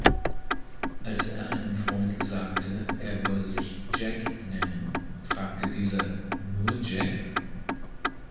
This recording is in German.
Als er einem Freund sagte, er wolle sich 'Jack' nennen, fragte dieser "Nur Jack?